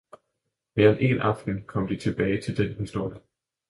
Mere end én aften kom de tilbage til den historie.